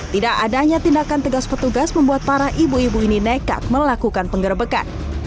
tidak adanya tindakan tegas petugas membuat para ibu ibu ini nekat melakukan penggerbekan